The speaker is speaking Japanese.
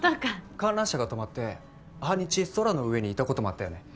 観覧車が止まって半日空の上にいたこともあったよね。